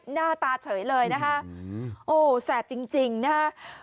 หน้าตาเฉยเลยนะคะโอ้แสบจริงนะฮะ